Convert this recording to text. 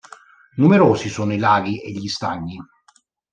Numerosi sono i laghi e gli stagni.